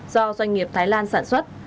do doanh nghiệp thái lan sản xuất